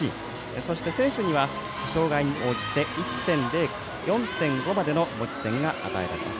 そして選手には障がいに応じて１．０から４．５までの持ち点が与えられます。